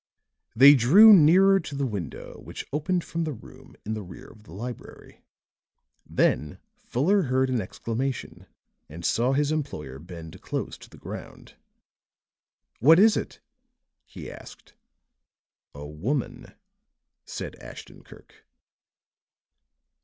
They drew nearer to the window which opened from the room in the rear of the library. Then Fuller heard an exclamation, and saw his employer bend close to the ground. "What is it?" he asked. "A woman," said Ashton Kirk.